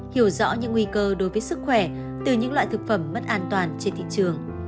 hiểu rõ những nguy cơ đối với sức khỏe từ những loại thực phẩm mất an toàn trên thị trường